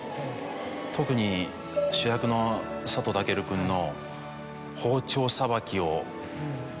特に主役の佐藤健君の。